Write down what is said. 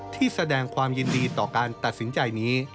ที่แสดงความยินดีต่อการตัดสินใจนี้